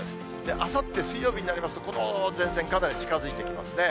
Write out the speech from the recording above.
あさって水曜日になりますと、この前線、かなり近づいてきますね。